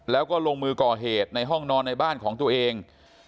แล้วก็ลงมือก่อเหตุในห้องนอนในบ้านของตัวเอง